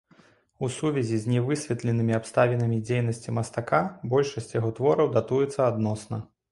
У сувязі з нявысветленымі абставінамі дзейнасці мастака большасць яго твораў датуецца адносна.